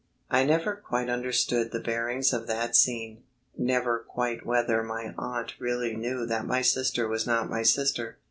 I never quite understood the bearings of that scene; never quite whether my aunt really knew that my sister was not my sister.